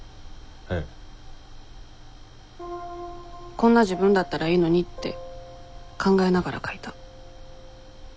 「こんな自分だったらいいのに」って考えながら書いた。